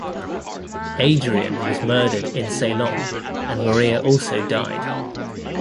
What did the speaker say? Adriaan was murdered in Ceylon and Maria also died.